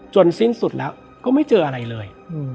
สิ้นสุดแล้วก็ไม่เจออะไรเลย